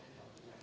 dan saya berharap